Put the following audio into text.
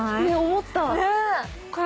思った。